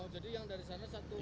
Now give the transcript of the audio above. jadi yang dari sana satu